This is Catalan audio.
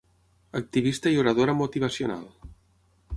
Activista i oradora motivacional.